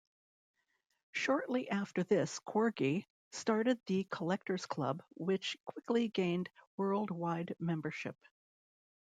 Shortly after this Corgi started the "Collectors Club", which quickly gained worldwide membership.